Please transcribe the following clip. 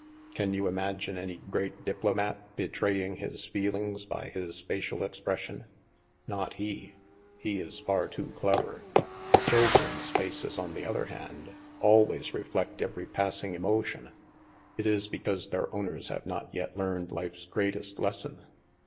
Can you imagine any great diplomat betraying his feelings by his facial expression ? Not he ; he is far too clever. Children's faces, on the other hand. i THE MAELSTROM 153 always reflect every passing emotion. It is because their owners have not yet learned life's greatest les son.